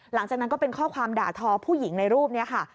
หลังจากนั้นก็เป็นข้อความด่าทอผู้หญิงในรูปนี้ค่ะ